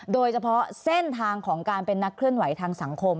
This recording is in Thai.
โดยเฉพาะเส้นทางของการเป็นนักเคลื่อนไหวทางสังคม